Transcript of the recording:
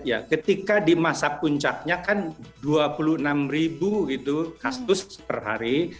ya ketika di masa puncaknya kan dua puluh enam ribu gitu kasus per hari